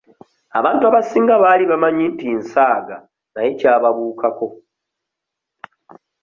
Abantu abasinga baali bamanyi nti nsaaga naye kyababuukako.